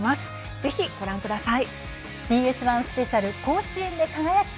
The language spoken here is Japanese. ぜひご覧ください。